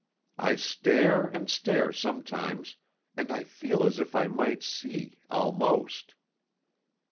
I stare and stare sometimes, and I feel as if I might see almost."